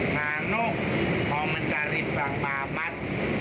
lalu mau mencari bang mamat